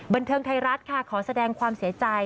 บันเทิงไทยรัฐค่ะขอแสดงความเสียใจ